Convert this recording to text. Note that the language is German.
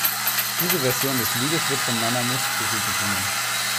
Diese Version des Liedes wird von Nana Mouskouri gesungen.